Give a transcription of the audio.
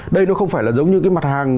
đây nó không phải là giống như cái mặt hàng